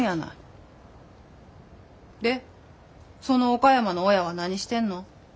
その岡山の親は何してんの？